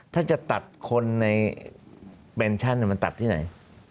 ถ้าจะตัดคนในแนนชั่นมันตัดที่ไหน